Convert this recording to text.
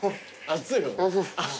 熱い。